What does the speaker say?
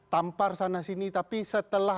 tampar sana sini tapi setelah